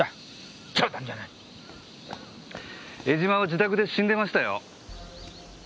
江島は自宅で死んでましたよ。